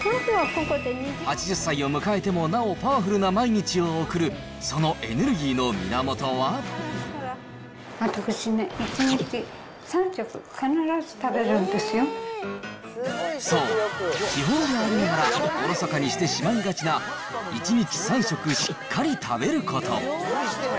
８０歳を迎えてもなおパワフルな毎日を送る、私ね、そう、基本でありながらおろそかにしてしまいがちな１日３食、しっかり食べること。